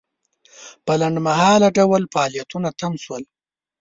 په لنډمهاله ډول فعالیتونه تم شول.